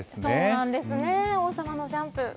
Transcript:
王様のジャンプ。